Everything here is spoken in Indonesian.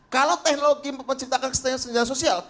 kalau teknologi menciptakan kesenjangan sosial